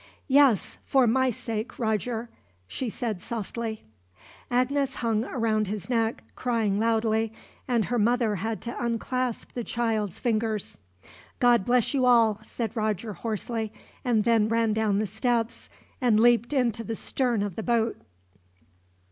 "Yes, for my sake, Roger," she said softly. Agnes hung round his neck, crying loudly, and her mother had to unclasp the child's fingers. "God bless you all," said Roger hoarsely, and then ran down the steps, and leaped into the stern of the boat.